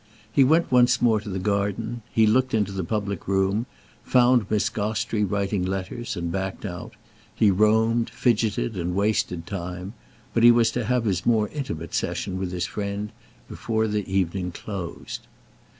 He went once more to the garden; he looked into the public room, found Miss Gostrey writing letters and backed out; he roamed, fidgeted and wasted time; but he was to have his more intimate session with his friend before the evening closed.